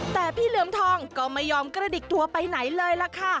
แต่พี่เหลือมทองก็ไม่ยอมกระดิกตัวไปไหนเลยล่ะค่ะ